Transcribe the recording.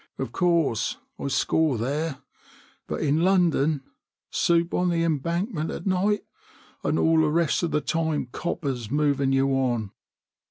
Of course, I score there ; but in London, soup on the Embankment at night, and all the rest of the time coppers moving you on."